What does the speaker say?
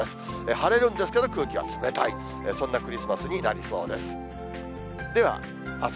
晴れるんですけど、空気が冷たい、そんなクリスマスになりそうです。